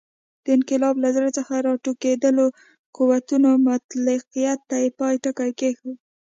د انقلاب له زړه څخه راټوکېدلو قوتونو مطلقیت ته پای ټکی کېښود.